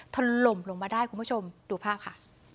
ถล่มลงมาได้คุณผู้ชมดูภาพค่ะ